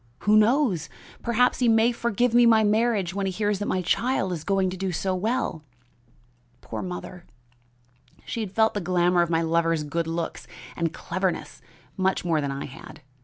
Who knows? Perhaps he may forgive me my marriage when he hears that my child is going to do so well!' Poor mother! she had felt the glamour of my lover's good looks and cleverness much more than I had.